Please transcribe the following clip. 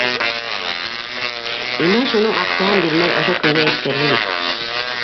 Имай шуның аҡсаһын бирмәй ошо көнгә еткерҙе бит.